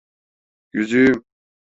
Yüzüğüm.